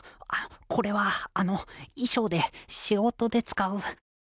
これはあの衣装で仕事で使う。